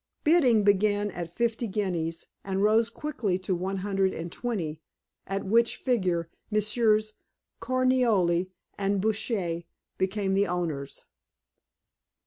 Bidding began at fifty guineas, and rose quickly to one hundred and twenty, at which figure Messrs. Carnioli and Bruschi became the owners.